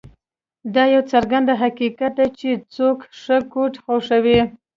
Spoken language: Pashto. دا یو څرګند حقیقت دی چې ځواک ښه کوډ خوښوي